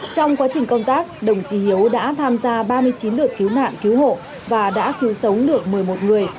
trong quá trình công tác đồng chí hiếu đã tham gia ba mươi chín lượt cứu nạn cứu hộ và đã cứu sống được một mươi một người